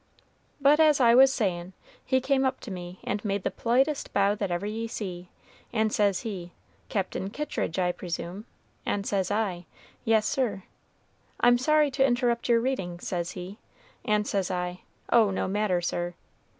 "But, as I was sayin', he came up to me, and made the politest bow that ever ye see, and says he, 'Cap'n Kittridge, I presume,' and says I, 'Yes, sir.' 'I'm sorry to interrupt your reading,' says he; and says I, 'Oh, no matter, sir.'